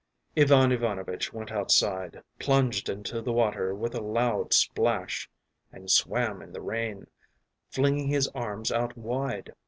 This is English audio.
Ivan Ivanovitch went outside, plunged into the water with a loud splash, and swam in the rain, flinging his arms out wide.